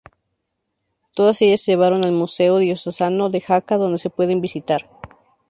Todas ellas se llevaron al Museo Diocesano de Jaca donde se pueden visitar.